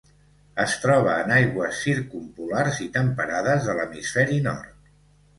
Es troba en aigües circumpolars i temperades de l'hemisferi nord.